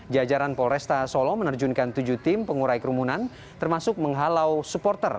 jajaran polresta solo menerjunkan tujuh tim pengurai kerumunan termasuk menghalau supporter